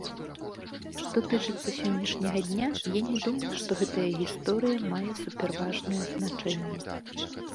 Што тычыцца сённяшняга дня, я не думаю, што гэтая гісторыя мае суперважнае значэнне.